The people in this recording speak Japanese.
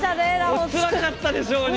おつらかったでしょうに！